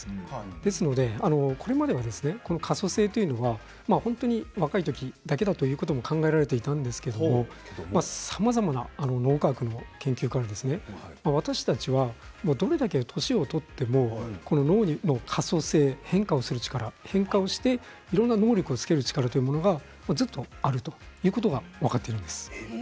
ですので、これまではこの可塑性というのは若いときだけだとも考えられていたんですけれどさまざまな脳科学の研究から私たちはどれだけ年を取っても脳の可塑性、変化をする力変化をしていろいろな能力をつける力がずっとあるということが分かっているんです。